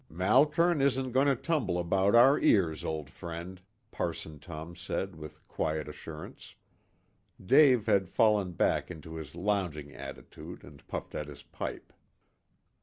"Malkern isn't going to tumble about our ears, old friend," Parson Tom said with quiet assurance. Dave had fallen back into his lounging attitude and puffed at his pipe.